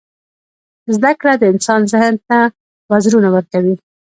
• زده کړه د انسان ذهن ته وزرونه ورکوي.